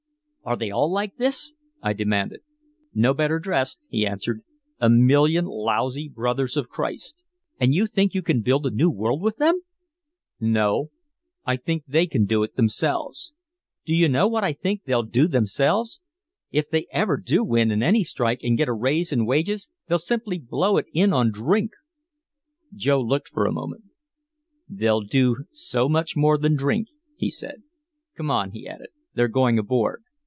"Are they all like these?" I demanded. "No better dressed," he answered. "A million lousy brothers of Christ." "And you think you can build a new world with them?" "No I think they can do it themselves." "Do you know what I think they'll do themselves? If they ever do win in any strike and get a raise in wages they'll simply blow it in on drink!" Joe looked at me a moment. "They'll do so much more than drink," he said. "Come on," he added. "They're going aboard."